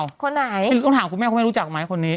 ฮะคนไหนคนไหนคุณต้องถามคุณแม่คุณไม่รู้จักไหมคนนี้